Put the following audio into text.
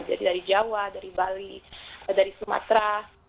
jadi dari jawa dari bali dari sumatera